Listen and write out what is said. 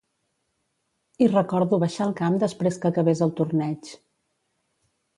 I recordo baixar al camp després que acabés el torneig.